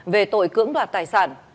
về tội cưỡng đoạt tài sản